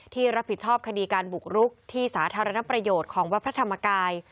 ที่รับผิดชอบคดีการบุกรุกที่สาธารณประโยชน์ของวัดพระธรรมกาย